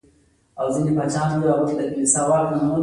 هغه په شپږو سينټو یوه نړۍ تر لاسه کړه